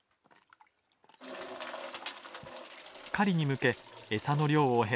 狩りに向け餌の量を減らし